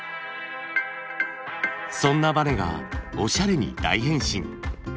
そんなバネがおしゃれに大変身！